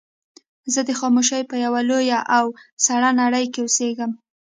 زه د خاموشۍ په يوه لويه او سړه نړۍ کې اوسېږم.